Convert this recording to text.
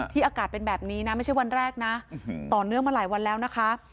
อากาศเป็นแบบนี้นะไม่ใช่วันแรกนะต่อเนื่องมาหลายวันแล้วนะคะ